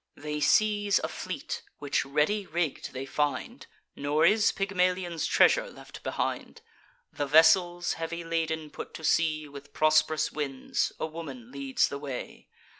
They seize a fleet, which ready rigg'd they find; Nor is Pygmalion's treasure left behind. The vessels, heavy laden, put to sea With prosp'rous winds; a woman leads the way.